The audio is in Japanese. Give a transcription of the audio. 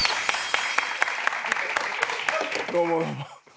どうもどうも。